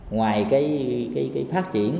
ngoài cái phát triển